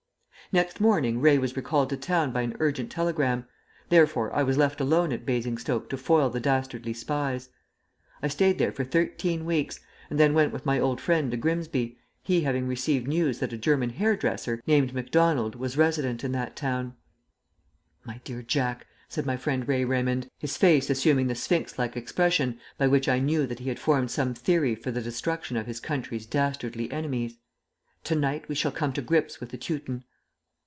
Next morning Ray was recalled to town by an urgent telegram, therefore I was left alone at Basingstoke to foil the dastardly spies. I stayed there for thirteen weeks, and then went with my old friend to Grimsby, he having received news that a German hairdresser, named Macdonald, was resident in that town. "My dear Jack," said my friend Ray Raymond, his face assuming the sphinx like expression by which I knew that he had formed some theory for the destruction of his country's dastardly enemies, "to night we shall come to grips with the Teuton!"